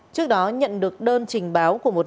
trước đó nhận được đơn trình báo của một